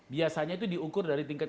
biasanya itu diukur dari tingkat